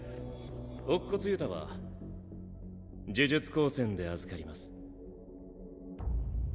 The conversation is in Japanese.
乙骨憂太は呪術高専で預かります。